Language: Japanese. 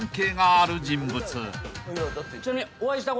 ちなみに。